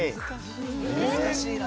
難しいな。